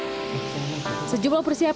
sejumlah persiapan pernikahan